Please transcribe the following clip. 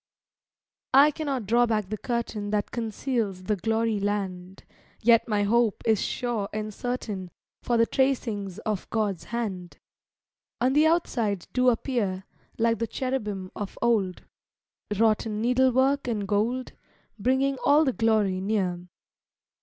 I cannot draw back the curtain That conceals the glory land, Yet my hope is sure and certain, For the tracings of God's hand On the outside do appear, Like the cherubim of old, Wrought in needle work and gold, Bringing all the glory near.